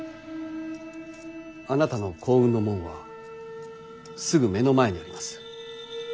あなたの幸運の門はすぐ目の前にあります。